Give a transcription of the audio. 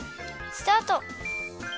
スタート。